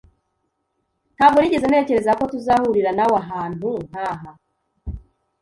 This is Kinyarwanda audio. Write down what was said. Ntabwo nigeze ntekereza ko tuzahurira nawe ahantu nkaha.